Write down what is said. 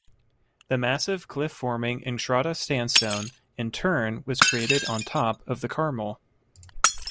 The massive cliff-forming Entrada Sandstone in turn was created on top of the Carmel.